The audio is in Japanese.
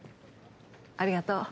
ありがとう。